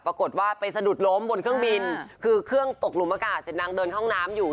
ปรากฏว่าไปสะดุดล้มบนเครื่องบินคือเครื่องตกหลุมอากาศเสร็จนางเดินห้องน้ำอยู่